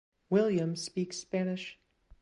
Williams speaks Spanish.